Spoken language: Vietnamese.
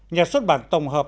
nhà xuất bản tổng hợp